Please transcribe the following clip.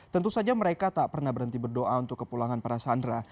tentu saja mereka tak pernah berhenti berdoa untuk kepulangan para sandera